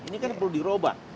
ini kan perlu dirobah